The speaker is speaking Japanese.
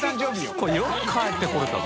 これよく帰ってこれたね。